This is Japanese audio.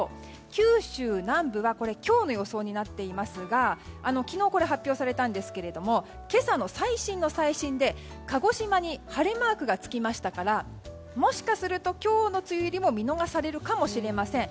九州南部は今日の予想になっていますが昨日これ発表されたんですけれど今朝の最新の最新で鹿児島に晴れマークがつきましたからもしかすると今日の梅雨入りも見逃されるかもしれません。